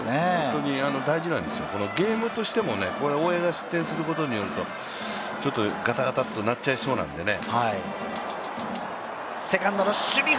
大事なんですよ、ゲームとしても大江が失点することによりちょっとガタガタッとなっちゃいそうなんでね。